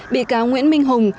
bị cáo nguyễn minh hùng